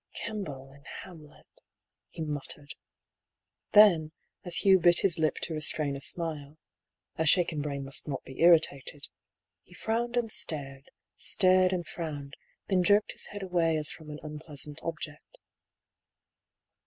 " Kemble, in Hamlet^^^ he muttered. Then, as Hugh bit his lip to restrain a smile — a shaken brain must not be irritated — he frowned and stared, stared and frowned, then jerked his head away as from an unpleasant ob ject.